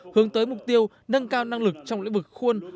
hướng tới mục tiêu nâng cao năng lực trong lĩnh vực khuôn